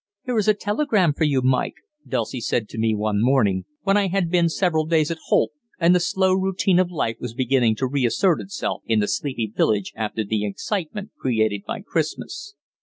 "Here is a telegram for you, Mike," Dulcie said to me one morning, when I had been several days at Holt and the slow routine of life was beginning to reassert itself in the sleepy village after the excitement created by Christmas.